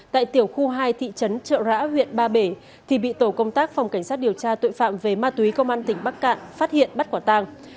tại tiểu khu hai thị trấn trợ rã huyện ba bể thì bị tổ công tác phòng cảnh sát điều tra tội phạm về ma túy công an tỉnh bắc cạn phát hiện bắt quả tàng